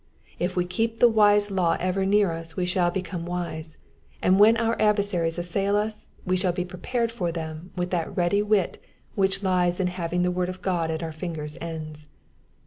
If we keep the wise law ever near us we shall become wise, and when our adversaries assail us we shall be orepared for them with that ready wit which lies in having the word of 6oa at our fingers' ends.